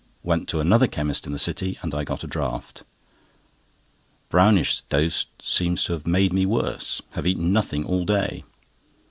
Went to another chemist in the City, and I got a draught. Brownish's dose seems to have made me worse; have eaten nothing all day.